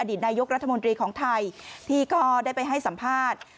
นายกรัฐมนตรีของไทยที่ก็ได้ไปให้สัมภาษณ์